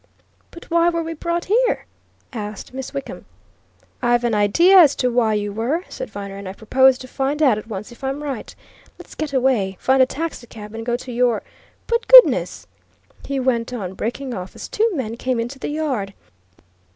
"But why were we brought here?" asked Miss Wickham. "I've an idea as to why you were," said Viner, "and I propose to find out at once if I'm right. Let's get away, find a taxicab, and go to your but, good heavens!" he went on, breaking off as two men came into the yard.